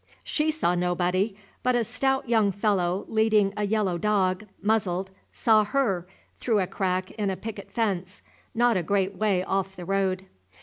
She saw nobody; but a stout young fellow, leading a yellow dog, muzzled, saw her through a crack in a picket fence, not a great way off the road.